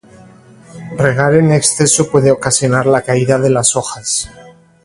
Regar en exceso puede ocasionar la caída de las hojas.